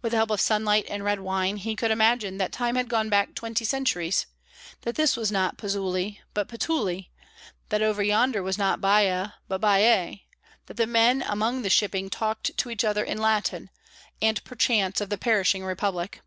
With the help of sunlight and red wine, he could imagine that time had gone back twenty centuries that this was not Pozzuoli, but Puteoli; that over yonder was not Baia, but Baiae; that the men among the shipping talked to each other in Latin, and perchance of the perishing Republic.